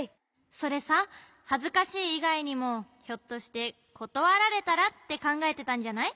それさはずかしいいがいにもひょっとして「ことわられたら」ってかんがえてたんじゃない？